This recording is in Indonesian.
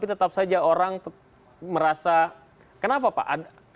tetap saja orang merasa kenapa pak